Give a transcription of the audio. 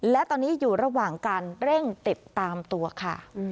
และตอนนี้อยู่ระหว่างการเร่งติดตามตัวค่ะ